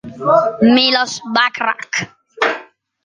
Miloš Bakrač